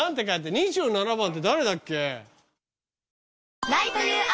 ２７番って誰だっけ？